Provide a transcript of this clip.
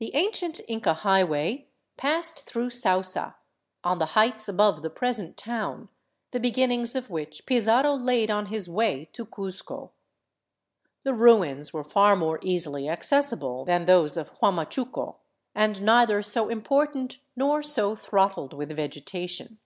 The ancient Inca highway passed through " Sausa," on the heights above the present town, the beginnings of which Pizarro laid on his way to Cuzco. The ruins were far more easily accessible than those of Huamachuco, and neither so important nor so throttled with vege tation.